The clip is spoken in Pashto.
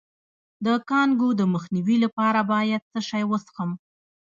د کانګو د مخنیوي لپاره باید څه شی وڅښم؟